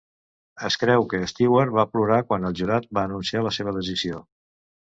Es creu que Stewart va plorar quan el jurat va anunciar la seva decisió.